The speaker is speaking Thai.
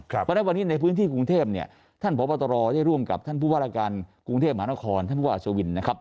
เพราะฉะนั้นวันนี้ในพื้นที่กรุงเทพฯท่านพปตรได้ร่วมกับท่านผู้วาราการกรุงเทพฯหมานครท่านพอาจวิน